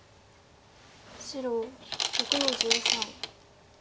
白６の十三。